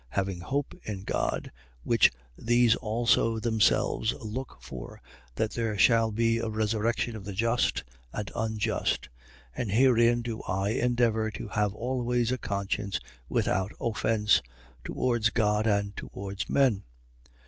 Having hope in God, which these also themselves look for, that there shall be a resurrection of the just and unjust. 24:16. And herein do I endeavour to have always a conscience without offence, towards God and towards men.